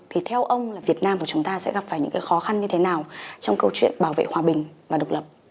thì theo ông là việt nam của chúng ta sẽ gặp phải những cái khó khăn như thế nào trong câu chuyện bảo vệ hòa bình và độc lập